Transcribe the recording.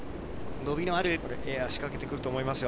伸びのあるエア、仕掛けてくると思いますよ。